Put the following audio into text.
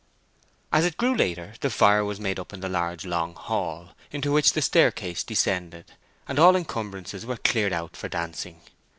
As it grew later the fire was made up in the large long hall into which the staircase descended, and all encumbrances were cleared out for dancing.